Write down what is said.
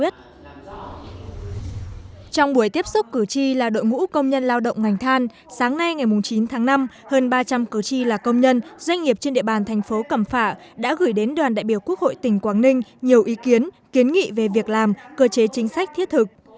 trong buổi tiếp xúc cử tri là đội ngũ công nhân lao động ngành than sáng nay ngày chín tháng năm hơn ba trăm linh cử tri là công nhân doanh nghiệp trên địa bàn thành phố cẩm phả đã gửi đến đoàn đại biểu quốc hội tỉnh quảng ninh nhiều ý kiến kiến nghị về việc làm cơ chế chính sách thiết thực